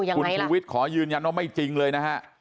คุณชูวิทย์ขอยืนยันว่าไม่จริงเลยนะฮะ